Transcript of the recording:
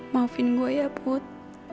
maafin gue ya put